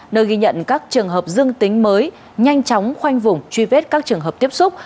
nơi ghi nhận các trường hợp dương tính mới nhanh chóng khoanh vùng truy vết các trường hợp tiếp xúc